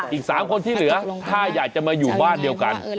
อีก๓คนที่เหลือถ้าอยากจะมาอยู่บ้านเดียวกัน